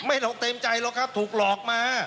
เต็มใจหรอกครับถูกหลอกมา